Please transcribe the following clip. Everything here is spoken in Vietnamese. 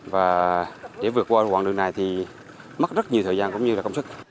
và để vượt qua đoạn đường này thì mất rất nhiều thời gian cũng như là công sức